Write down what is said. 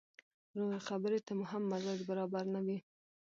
روغې خبرې ته مو هم مزاج برابره نه وي.